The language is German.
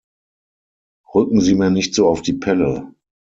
Rücken Sie mir nicht so auf die Pelle!